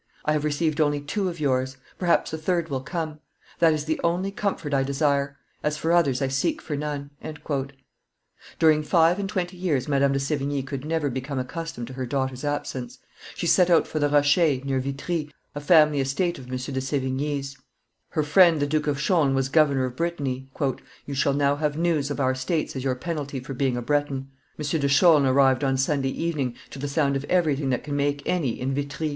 I have received only two of yours; perhaps the third will come; that is the only comfort I desire: as for others, I seek for none." During five and twenty years Madame de Sevign~ could never become accustomed to her daughter's absence. She set out for the Rochers, near Vitry, a family estate of M. de Sevigne's. Her friend the Duke of Chaulnes was governor of Brittany. "You shall now have news of our states as your penalty for being a Breton. M. de Chaulnes arrived on Sunday evening, to the sound of everything that can make any in Vitry.